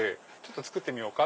作ってみようか！